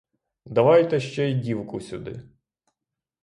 Давайте ще й дівку сюди!